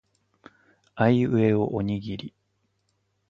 あいうえおおにぎり